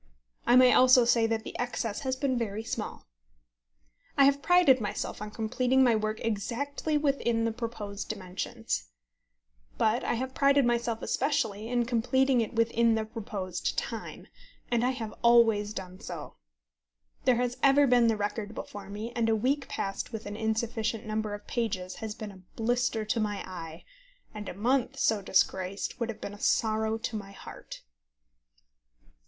I may also say that the excess has been very small. I have prided myself on completing my work exactly within the proposed dimensions. But I have prided myself especially in completing it within the proposed time, and I have always done so. There has ever been the record before me, and a week passed with an insufficient number of pages has been a blister to my eye, and a month so disgraced would have been a sorrow to my heart.